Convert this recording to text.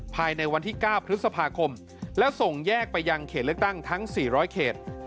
ภายในวันที่๙พฤษภาคมและส่งแยกไปยังเขตเลือกตั้งทั้ง๔๐๐เขต